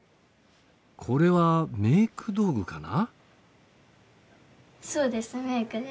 これはメーク道具かな？